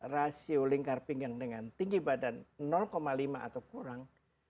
rasio lingkar pinggang dengan tinggi badan lima atau kurang